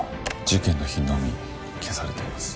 事件の日のみ消されています。